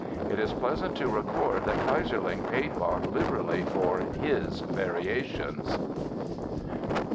It is pleasant to record that Keyserling paid Bach liberally for "his" Variations. ST.